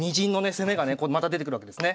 攻めがねまた出てくるわけですね。